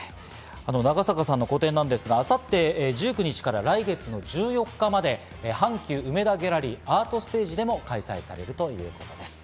長坂さんの個展、明後日１９日から来月１４日まで阪急うめだギャラリー・アートステージでも開催されるということです。